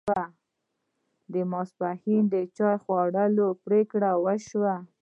د ماپښین چای خوړلو پرېکړه وشوه.